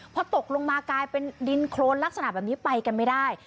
พอตกลงมากลายเป็นดินโครนลักษณะแบบนี้ไปกันไม่ได้